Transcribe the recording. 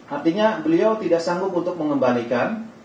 artinya beliau tidak sanggup untuk mengembalikan